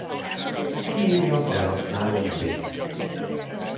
Kiírja az felhasználó nevét.